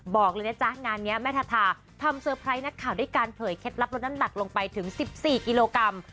บอกเลยนะจ๊ะงานนี้แม่ทาทาทำเซอร์ไพรส์นักข่าวด้วยการเผยเคล็ดลับลดน้ำหนักลงไปถึง๑๔กิโลกรัม